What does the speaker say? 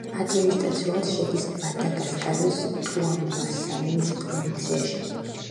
ადმინისტრაციულად შედის მადაგასკარის ტუამასინის პროვინციაში.